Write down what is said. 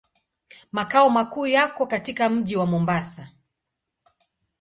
Makao makuu yako katika mji wa Mombasa.